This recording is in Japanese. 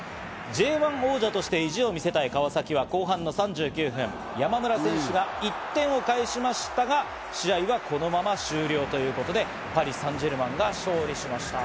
Ｊ１王者として意地を見せたい川崎は後半の３９分、山村選手が１点をかえしましたが、試合はこのまま終了ということで、パリ・サンジェルマンが勝利しました。